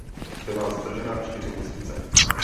Byla zadržena čtyři měsíce.